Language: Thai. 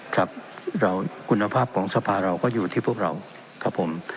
ครับคุณภาพของสภาเราก็อยู่ที่พวกเราครับผม